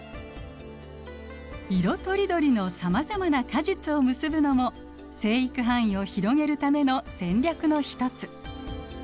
色とりどりのさまざまな果実を結ぶのも生育範囲を広げるための戦略の一つ。